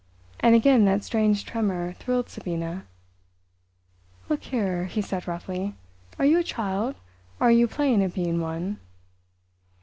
And again that strange tremor thrilled Sabina. "Look here," he said roughly, "are you a child, or are you playing at being one?"